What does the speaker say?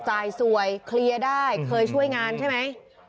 จ่ายสวยเคลียร์ได้เคยช่วยงานใช่ไหม